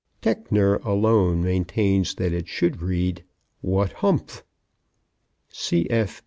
Techner alone maintains that it should read "What humpf!" Cf.